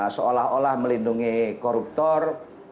seolah olah melindungi koruptor